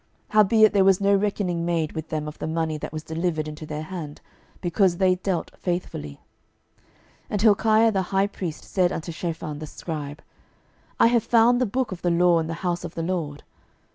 12:022:007 Howbeit there was no reckoning made with them of the money that was delivered into their hand, because they dealt faithfully. 12:022:008 And Hilkiah the high priest said unto Shaphan the scribe, I have found the book of the law in the house of the LORD.